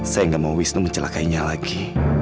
saya nggak mau wisnu mencelakainya lagi